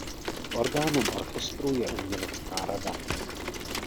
Orgánem orchestru je umělecká rada.